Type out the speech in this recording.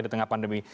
di tengah pandemi